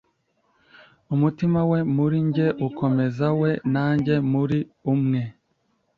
umutima we muri njye ukomeza we nanjye muri umwe